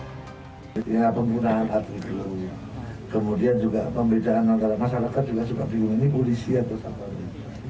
ya penggunaan atribu kemudian juga pembedaan antara masyarakat juga suka bingung ini polisi atau satpam